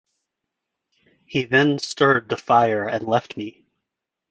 He then stirred the fire and left me.